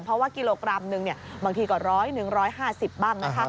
เพราะว่ากิโลกรัมหนึ่งบางทีก็๑๐๐๑๕๐บ้างนะคะ